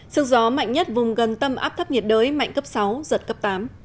sức gió mạnh nhất vùng gần tâm áp thấp nhiệt đới mạnh cấp sáu giật cấp tám